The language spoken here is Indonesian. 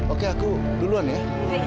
oke aku duluan ya